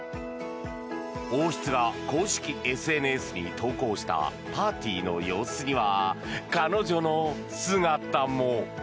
王室が公式ＳＮＳに投稿したパーティーの様子には彼女の姿も。